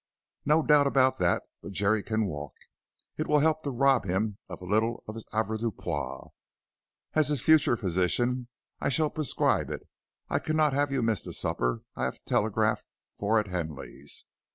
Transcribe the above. "No doubt about that, but Jerry can walk; it will help to rob him of a little of his avoirdupois. As his future physician I shall prescribe it. I cannot have you miss the supper I have telegraphed for at Henly's."